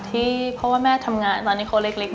ที่เพราะแม่ทำงานตอนเมื่อกันเล็ก